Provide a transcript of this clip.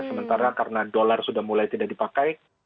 sementara karena dolar sudah mulai tidak dipakai